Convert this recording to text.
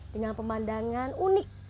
dengan pemandangan unik